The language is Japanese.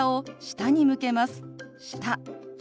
「下」。